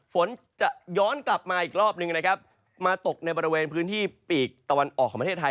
ฝนจะย้อนกลับมาอีกรอบนึงนะครับมาตกในบริเวณพื้นที่ปีกตะวันออกของประเทศไทย